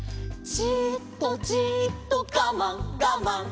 「じーっとじーっとガマンガマン」